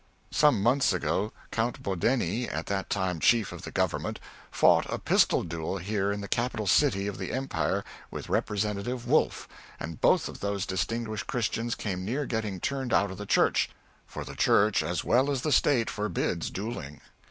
Some months ago Count Bodeni, at that time Chief of the Government, fought a pistol duel here in the capital city of the Empire with representative Wolf, and both of those distinguished Christians came near getting turned out of the Church for the Church as well as the State forbids duelling.